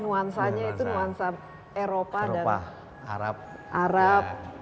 nuansanya itu nuansa eropa dan arab